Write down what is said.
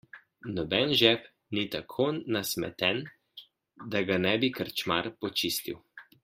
Noben žep ni tako nasmeten, da ga ne bi krčmar počistil.